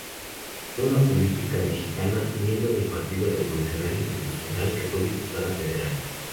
Fue una política mexicana, miembro del Partido Revolucionario Institucional, que fue diputada federal.